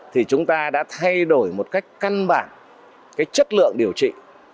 thì chúng ta đã thay đổi một cách căn bản chất lượng điều trị